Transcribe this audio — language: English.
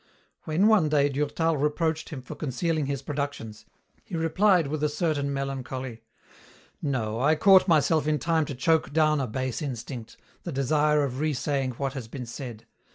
When, one day, Durtal reproached him for concealing his productions, he replied with a certain melancholy, "No, I caught myself in time to choke down a base instinct, the desire of resaying what has been said.